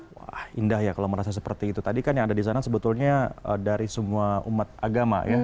wah indah ya kalau merasa seperti itu tadi kan yang ada di sana sebetulnya dari semua umat agama ya